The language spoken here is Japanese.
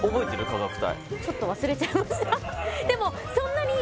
価格帯ちょっと忘れちゃいました